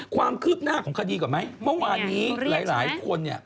ความคืบหน้าของคดีก่อนไหมเมื่อวานนี้หลายคนเนี่ย